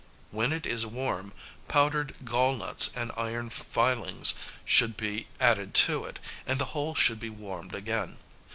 When it is warm, powdered gallnuts and iron filings should be added to it, and the whole should be warmed again.